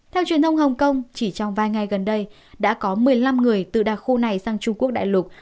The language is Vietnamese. theo truyền thông hồng kông chỉ trong vài ngày gần đây đã có một mươi năm người từ đặc khu này sang trung quốc đại lục